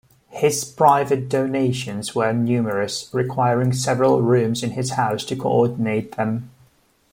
His private donations were numerous, requiring several rooms in his house to coordinate them.